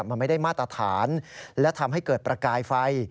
มันไม่ได้มาตรฐานและทำให้เกิดประกายไฟ